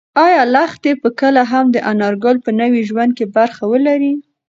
ایا لښتې به کله هم د انارګل په نوي ژوند کې برخه ولري؟